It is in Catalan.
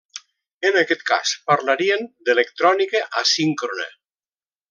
En aquest cas parlarien d'electrònica asíncrona.